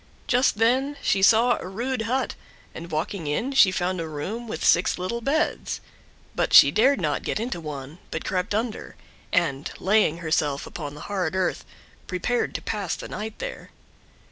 Just then she saw a rude hut, and walking in she found a room with six little beds, but she dared not get into one, but crept under, and, laying herself upon the hard earth, prepared to pass the night there.